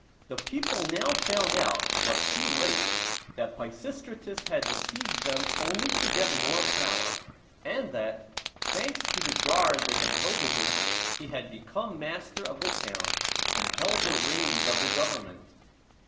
The people now found out, but too late, that Pisistratus had deceived them only to get more power; and that, thanks to the guard they had voted him, he had become master of the town, and held the reins of the government.